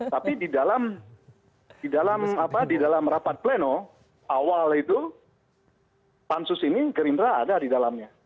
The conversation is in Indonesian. tapi di dalam rapat pleno awal itu pansus ini gerindra ada di dalamnya